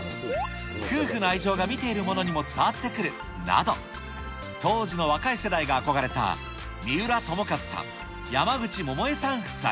夫婦の愛情が見ている者にも伝わってくるなど、当時の若い世代が憧れた三浦友和さん、山口百恵さん夫妻。